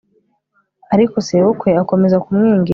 ariko sebukwe akomeza kumwinginga